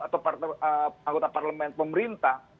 atau anggota parlemen pemerintah